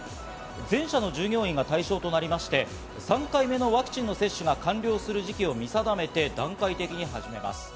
全社の従業員が対象となりまして、３回目のワクチンの接種が完了する時期を見定めて段階的に始めます。